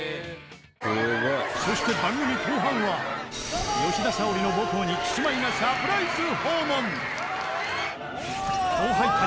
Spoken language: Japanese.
そして吉田沙保里の母校にキスマイがサプライズ訪問